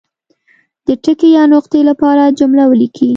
د ټکي یا نقطې لپاره جمله ولیکي.